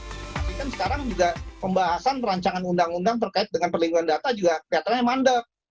kita sekarang juga pembahasan perancangan undang undang terkait dengan perlindungan data juga kelihatannya mandek